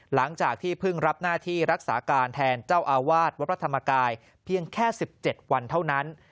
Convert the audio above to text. หลังจากที่เพิ่งรับหน้าที่รักษาการแทนเจ้าอาวาสวัดพระธรรมกายเพียงแค่๑๗วันเท่านั้น